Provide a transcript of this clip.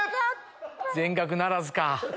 全額ならずか。